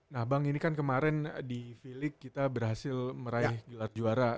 nah bang ini kan kemarin di filik kita berhasil meraih gelar juara